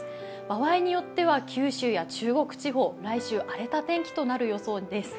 場合によっては九州や中国地方、来週、荒れた天気となる予想です。